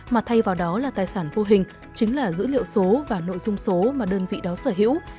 mà thay vào đó là tài sản vô hình chính là dữ liệu số và nội dung số mà đơn vị đó sở hữu